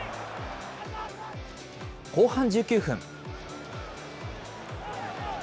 後半１９分。